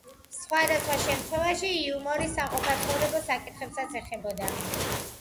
სხვადასხვა შემთხვევაში იუმორი საყოფაცხოვრებო საკითხებსაც ეხებოდა.